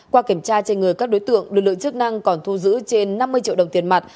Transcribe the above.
qua kiểm tra trên người các đối tượng lực lượng chức năng còn thu giữ trên năm mươi triệu đồng tiền mặt